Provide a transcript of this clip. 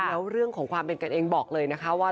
แล้วเรื่องของความเป็นกันเองบอกเลยนะคะว่า